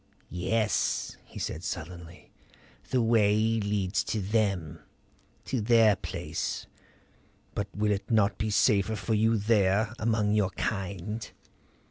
"Yes," he said sullenly. "The way leads to them; to their place. But will it not be safer for you there among your kind?"